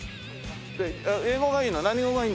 英語がいいの？